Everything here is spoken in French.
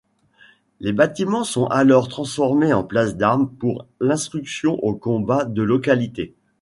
Les bâtiments sont alors transformés en place d'arme pour l'instruction au combat de localité.